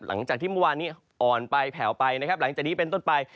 หลังจากที่เมื่อวานนี้อ่อนไปแผ่วไปนะครับหลังจากนี้เป็นต้นไป